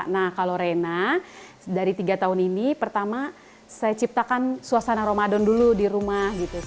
nah kalau rena dari tiga tahun ini pertama saya ciptakan suasana ramadan dulu di rumah